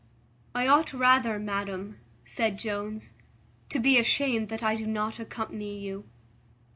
"I ought rather, madam," said Jones, "to be ashamed that I do not accompany you."